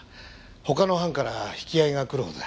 他の班から引き合いがくるほどだ。